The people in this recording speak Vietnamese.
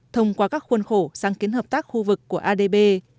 thông qua các khuôn khổ sáng kiến hợp tác khu vực của adb